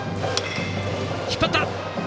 引っ張った！